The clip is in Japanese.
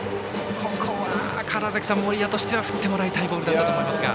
ここは、川原崎さん森谷としては振ってもらいたいボールだったと思いますが。